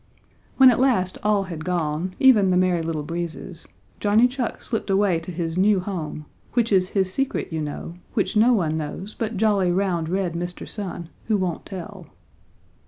When at last all had gone, even the Merry Little Breezes, Johnny Chuck slipped away to his new home, which is his secret, you know, which no one knows but jolly, round, red Mr. Sun, who won't tell.